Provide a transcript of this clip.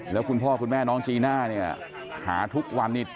แล้วคุณพ่อคุณแม่น้องจีน่าเนี่ยหาทุกวันนี้